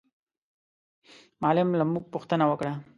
معلم له موږ پوښتنه وکړه.